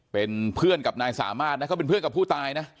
เป็นเพื่อนกับนายสามารถนะเขาเป็นเพื่อนกับผู้ตายนะ